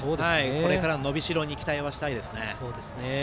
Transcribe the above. これからの伸びしろに期待したいです。